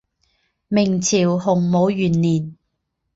明朝洪武元年。